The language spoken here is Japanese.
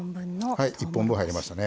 はい１本分入りましたね。